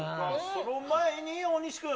その前に大西君。